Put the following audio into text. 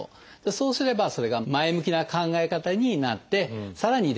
そうすればそれが前向きな考え方になってさらにできることが増えると。